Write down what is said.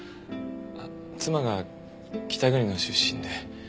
あっ妻が北国の出身で。